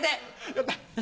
やった！